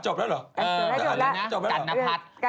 จบแล้วเหรออ๋อเหรอแล้วนะจอบแล้วเหรอแล้วละจัดนาพัด